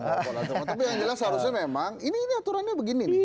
tapi yang jelas seharusnya memang ini aturannya begini nih